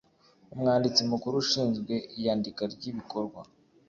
Umwanditsi Mukuru ushinzwe iyandika ry ibikorwa